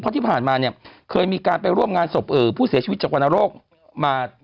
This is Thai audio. เพราะที่ผ่านมาเนี่ยเคยมีการไปร่วมงานศพผู้เสียชีวิตจากวรรณโรคมา